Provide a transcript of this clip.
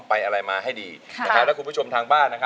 ไปอะไรมาให้ดีแล้วคุณผู้ชมทางบ้าน